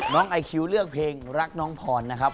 ไอคิวเลือกเพลงรักน้องพรนะครับ